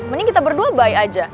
mending kita berdua baik aja